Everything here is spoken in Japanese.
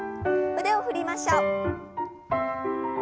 腕を振りましょう。